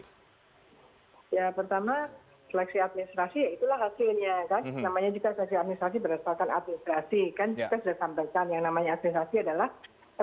ya pertama seleksi administrasi